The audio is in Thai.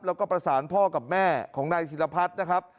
แล้วก็ประสานพ่อกับแม่ของนายศิรพัฒน์นะครับ